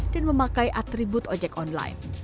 dan memakai atribut ojek online